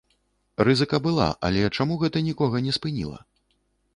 Рызыка была, але чаму гэта нікога не спыніла?